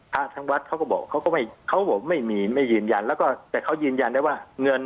พระทั้งวัดเค้าบอกว่าไม่มีไม่ยืนยันแต่เค้ายืนยันได้ว่า